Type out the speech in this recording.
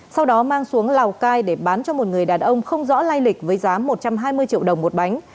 sau đó mang xuống lào cai để bán cho một người đàn ông không rõ lai lịch với giá một trăm hai mươi triệu đồng một bánh